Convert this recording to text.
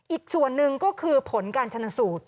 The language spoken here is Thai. อีกส่วนหนึ่งก็คือผลการชนสูตร